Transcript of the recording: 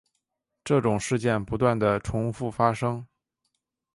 这种事件不断地重覆发生。